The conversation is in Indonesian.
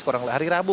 kurang lebih hari rabu